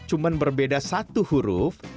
cuma berbeda satu huruf